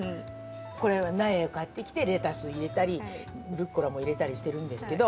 これは苗を買ってきてレタス入れたりルッコラも入れたりしてるんですけど